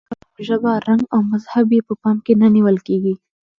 توکم، ژبه، رنګ او مذهب یې په پام کې نه نیول کېږي.